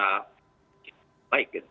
yang lebih baik